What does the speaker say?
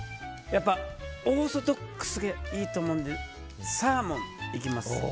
オーソドックスがいいと思うのでサーモン、いきます。